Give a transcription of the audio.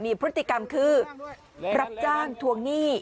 มีพฤติกรรมคือรับจ้างทวงหนี้